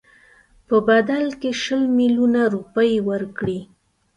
په بدل کې شل میلیونه روپۍ ورکړي.